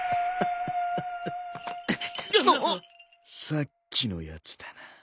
さっきのやつだな。